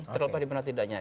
terlepas di benar tidaknya